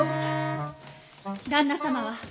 旦那様は？